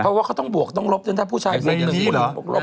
เพราะว่าเขาต้องบวกต้องลบถ้าผู้ชายแสดงก็ลบ